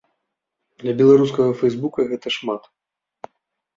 Для беларускага фэйсбука гэта шмат.